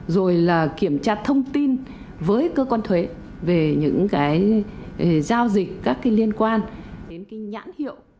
rồi kiểm tra thông tin với cơ quan thuế về những giao dịch các liên quan đến nhãn hiệu